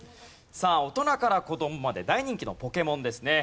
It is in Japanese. さあ大人から子供まで大人気の『ポケモン』ですね。